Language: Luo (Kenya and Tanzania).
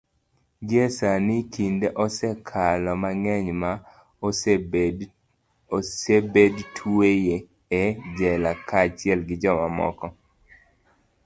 gie sani, kinde osekalo mang'eny ma osebed tweye e jela kaachiel gi jomamoko